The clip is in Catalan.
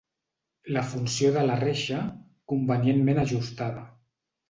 La funció de la reixa, convenientment ajustada.